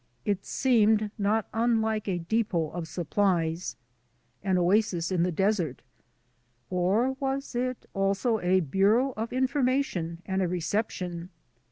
It seemed not unlike a depot of supplies — an oasis in the desert; or was it also a bureau of information, and a reception